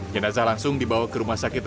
jenazah langsung dibawa ke rumah sakit